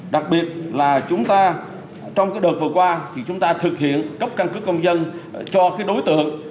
đặc biệt là chúng ta trong đợt vừa qua thì chúng ta thực hiện cấp căn cứ công dân cho cái đối tượng